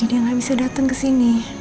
kedemna bisa datang ke sini